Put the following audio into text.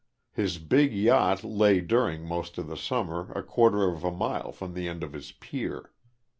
His big yacht lay during most of the summer a quarter of a mile from the end of his pier.